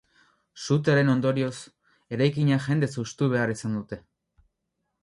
Sutearen ondorioz, eraikina jendez hustu behar izan dute.